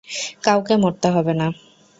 কাউকে মরতে হবে না।